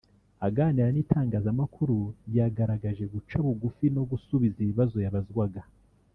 aganira n'itangazamakuru yagaragaje guca bugufi no gusubiza ibibazo yabazwaga